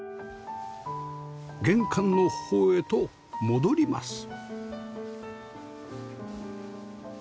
玄関のほうへと戻ります